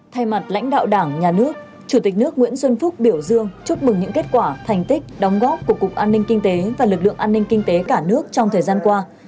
thay mặt lãnh đạo đảng nhà nước chủ tịch nước nguyễn xuân phúc biểu dương chúc mừng những kết quả thành tích đóng góp của cục an ninh kinh tế và lực lượng an ninh kinh tế cả nước trong thời gian qua